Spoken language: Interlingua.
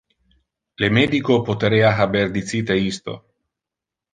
Le medico poterea haber dicite isto.